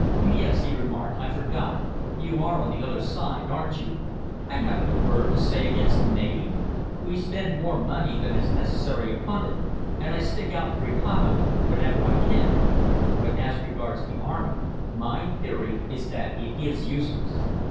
"Yes," he remarked, "I forgot. You are on the other side, aren't you? I haven't a word to say against the navy. We spend more money than is necessary upon it, and I stick out for economy whenever I can. But as regards the army, my theory is that it is useless.